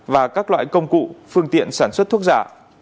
và các loại công cụ phương tiện sản xuất thuốc giả